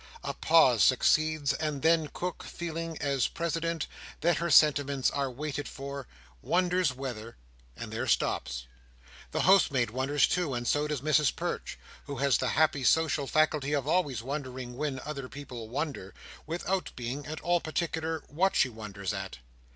A pause succeeds; and then Cook, feeling, as president, that her sentiments are waited for, wonders whether—and there stops. The housemaid wonders too, and so does Mrs Perch, who has the happy social faculty of always wondering when other people wonder, without being at all particular what she wonders at.